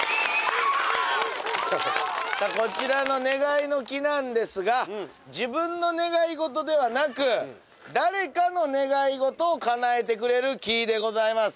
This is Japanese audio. こちらの願いの木なんですが自分の願い事ではなく誰かの願い事をかなえてくれる木でございます。